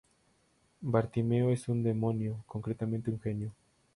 Bartimeo es un demonio, concretamente un genio.